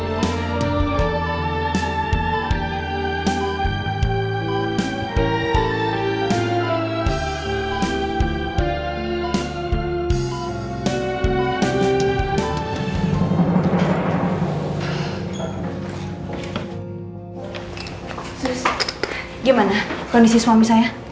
sus gimana kondisi suami saya